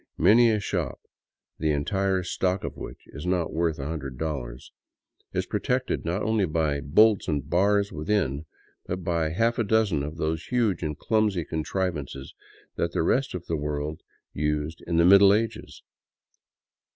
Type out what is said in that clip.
Many a shop, the entire stock of which is not worth a hundred dollars, is pro tected not only by bolts and bars within, but by half a dozen of those huge and clumsy contrivances that the rest of the world used in the Middle Ages.